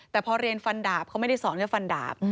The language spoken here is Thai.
แต่พอเรียนฟันดาบเขาไม่ได้สอนแค่ฟันดาบ